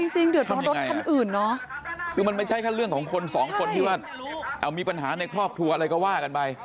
จริงเดือดร้อนรถคันอื่นเนอะคือมันไม่ใช่แค่เรื่องของคนสองคนที่ว่ามีปัญหาในครอบครัวอะไรก็ว่ากันไป